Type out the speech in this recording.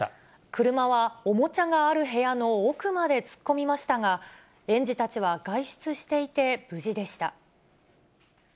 車はおもちゃがある部屋の奥まで突っ込みましたが、園児たちは外出していて無事でした。